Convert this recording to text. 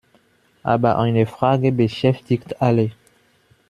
Aber eine Frage beschäftigt alle.